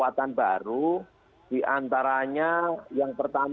apa pembangkuannya bukan istimewa